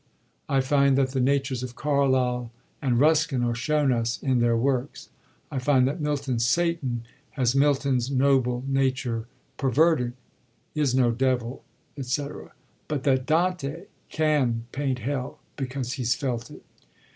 I find that the natures of Carlyle and Ruskin are shown us in their works. I find that Milton's Satan has Milton's noble nature perverted — is no devil, &c. ;— but that Dante can paint hell, because he's felt it.